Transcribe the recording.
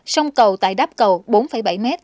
sông cầu tại đáp cầu bốn bảy m